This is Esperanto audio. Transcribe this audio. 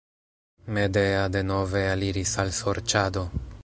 Medea denove aliris al sorĉado.